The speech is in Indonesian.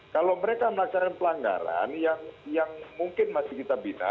kalau mereka melaksanakan pelanggaran yang mungkin masih kita bina